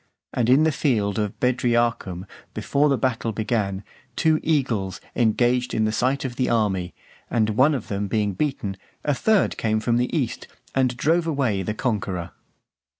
And in the field of Bedriacum , before the battle began, two eagles engaged in the sight of the army; and one of them being beaten, a third came from the east, and drove away the conqueror.